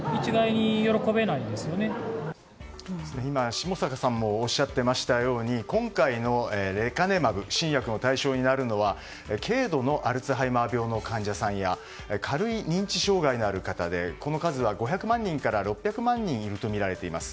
下坂さんもおっしゃってましたように今回のレカネマブ新薬の対象になるのは軽度のアルツハイマー病の患者さんや軽い認知障害のある方でその数は５００万人から６００万人いるとみられています。